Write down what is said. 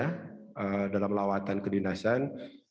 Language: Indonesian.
pak gubernur berkata bahwa dia sudah selesai berdinas di inggris